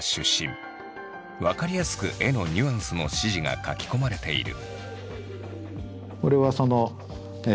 分かりやすく絵のニュアンスの指示が描き込まれている。